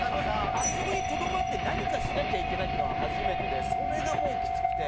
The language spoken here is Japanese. あそこにとどまって何かしなきゃいけないっていうのは初めてでそれがもうきつくて。